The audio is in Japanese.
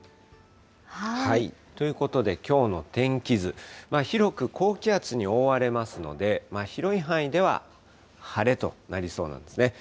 ということで、きょうの天気図、広く高気圧に覆われますので、広い範囲では晴れとなりそうなんですね。